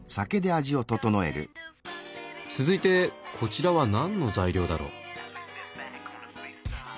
続いてこちらは何の材料だろう？